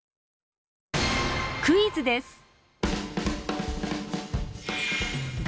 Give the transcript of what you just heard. クイズです。